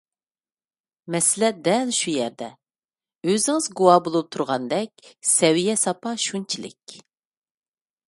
مەسىلە دەل شۇ يەردە. ئۆزىڭىز گۇۋاھ بولۇپ تۇرغاندەك سەۋىيە - ساپا شۇنچىلىك.